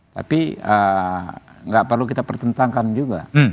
tapi nggak perlu kita pertentangkan juga